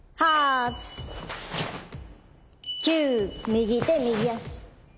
９右手右足。